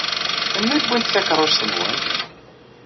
Melmi i wwint takeṛṛust-nwen?